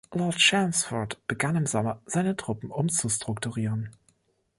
Lord Chelmsford begann im Sommer seine Truppen umzustrukturieren.